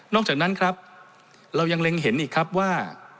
จากนั้นครับเรายังเล็งเห็นอีกครับว่า